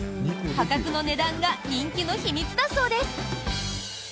破格の値段が人気の秘密だそうです。